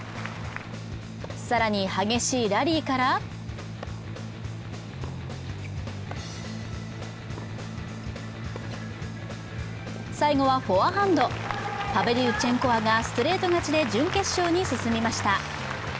更に激しいラリーから最後はフォアハンド、パブリウチェンコワがストレート勝ちで準決勝に進みました。